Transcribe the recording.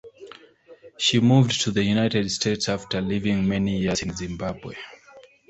She moved to the United States after living many years in Zimbabwe.